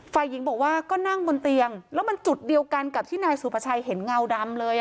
ฝ่ายหญิงบอกว่าก็นั่งบนเตียงแล้วมันจุดเดียวกันกับที่นายสุภาชัยเห็นเงาดำเลย